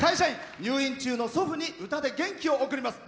入院中の祖父に歌で元気を送ります。